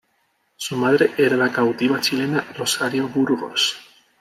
Su madre era la cautiva chilena Rosario Burgos.